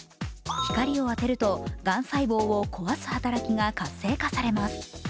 光を当てるとがん細胞を壊す働きが活性化されます。